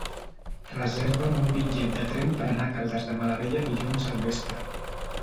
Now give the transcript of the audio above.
Reserva'm un bitllet de tren per anar a Caldes de Malavella dilluns al vespre.